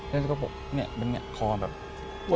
แล้วก็บอกเนี้ยแบบเนี้ยคอแบบ